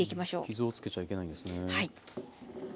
傷をつけちゃいけないんですね。